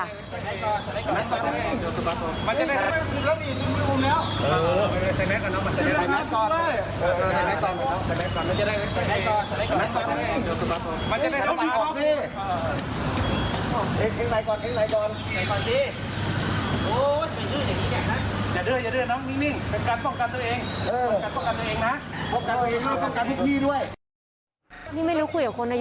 สำเร็จก่อนสำเร็จก่อน